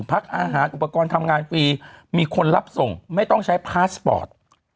พักอาหารอุปกรณ์ทำงานฟรีมีคนรับส่งไม่ต้องใช้พาสปอร์ต